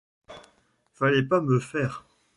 Fallait pas me faire…